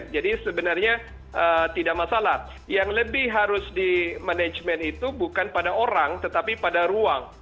jadi sebenarnya tidak masalah yang lebih harus di manajemen itu bukan pada orang tetapi pada ruang